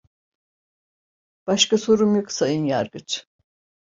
Başka sorum yok, Sayın Yargıç.